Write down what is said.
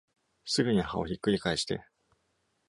すぐに葉をひっくり返して